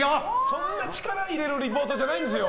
そんな力入れるリポートじゃないですよ。